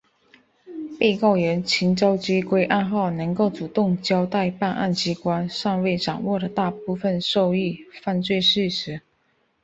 被告人陈绍基归案后能够主动交代办案机关尚未掌握的大部分受贿犯罪事实。